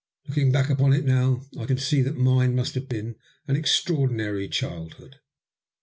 Looking back upon it now, I can see that mine must have been an extraordinary childhood.